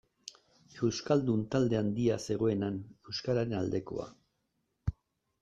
Euskaldun talde handia zegoen han, euskararen aldekoa.